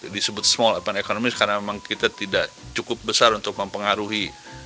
disebut small open economy karena memang kita tidak cukup besar untuk mempengaruhi